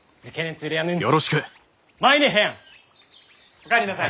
お帰りなさい。